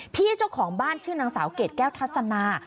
เจ้าของบ้านชื่อนางสาวเกรดแก้วทัศนา